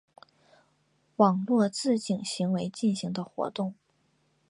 网络自警行为进行的活动。